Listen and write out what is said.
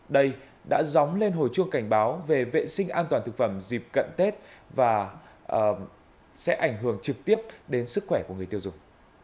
đây đã dóng lên hồi chuông cảnh báo về vệ sinh an toàn thực phẩm dịp cận tết và sẽ ảnh hưởng trực tiếp đến sức khỏe của người tiêu dùng